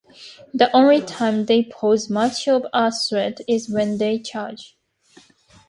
The only time they pose much of a threat is when they charge.